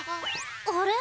あれ？